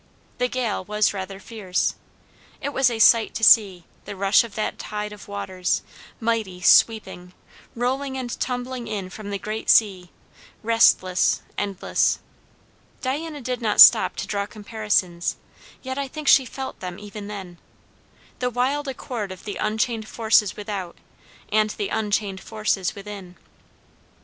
The gale was rather fierce. It was a sight to see, the rush of that tide of waters, mighty, sweeping, rolling and tumbling in from the great sea, restless, endless. Diana did not stop to draw comparisons, yet I think she felt them even then; the wild accord of the unchained forces without and the unchained forces within.